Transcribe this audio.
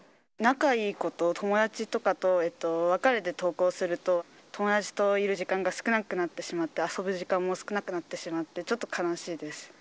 仲いい子と、友達とかと分かれて登校すると、友達といる時間が少なくなってしまって、遊ぶ時間も少なくなってしまって、ちょっと悲しいです。